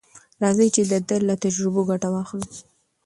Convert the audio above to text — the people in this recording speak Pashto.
راځئ چې د ده له تجربو ګټه واخلو.